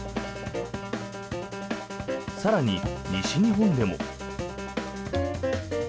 更に、西日本でも。